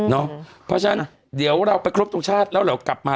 เพราะฉะนั้นเดี๋ยวเราไปครบทรงชาติแล้วเรากลับมา